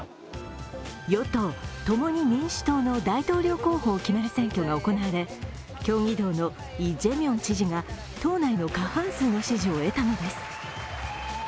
与党・共に民主党の大統領候補を決める選挙が行われ、キョンギドのイ・ジェミョン知事が党内の過半数の支持を得たのです。